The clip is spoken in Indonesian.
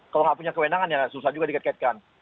kalau enggak punya kewenangan ya susah juga dikatakan